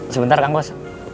sebentar kak bos